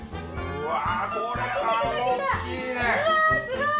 うわすごい。